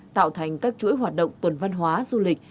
tạo thành các chuỗi hoạt động tuần văn hóa du lịch